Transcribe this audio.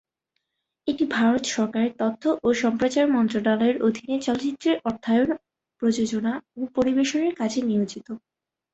এটি ভারত সরকারের তথ্য ও সম্প্রচার মন্ত্রণালয়ের অধীনে চলচ্চিত্রের অর্থায়ন, প্রযোজনা ও পরিবেশনের কাজে নিয়োজিত।